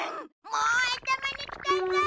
もう頭にきたぞ！